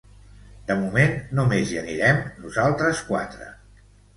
De moment només hi anirem nosaltres quatre.